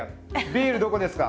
ビールどこですか？